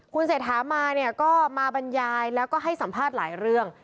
คุณเศรษฐามาเนี่ยก็มาบรรยายแล้วก็ให้สัมภาษณ์หลายเรื่อง